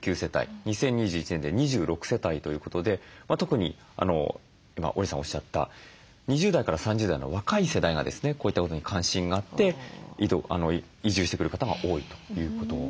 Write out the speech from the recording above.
２０２１年で２６世帯ということで特に今織さんおっしゃった２０代から３０代の若い世代がですねこういったことに関心があって移住してくる方が多いということなんです。